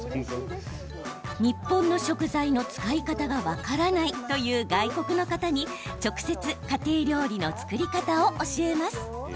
日本の食材の使い方が分からないという外国の方に直接、家庭料理の作り方を教えます。